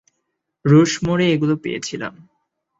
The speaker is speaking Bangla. রুশমোরে এগুলো পেয়েছিলাম।